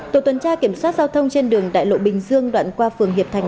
tổ tuần tra kiểm soát giao thông trên đường đại lộ bình dương đoạn qua phường hiệp thành